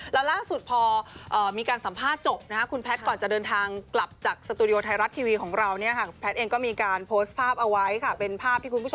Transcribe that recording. แล้วล่าสุดพอมีการสัมภาษณ์จบนะคะคุณแพทย์ก่อนจะเดินทางกลับจากสตูดิโอไทรัสทีวีของเราเนี่ยค่ะ